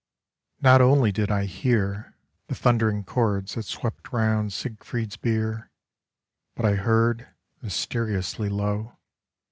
"^JOT only did I hear ^^ The thundering chords that swept round Sieg fried's bier, But I heard, mysteriously low.